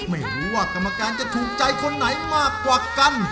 ไม่รู้ว่ากรรมการจะถูกใจคนไหนมากกว่ากัน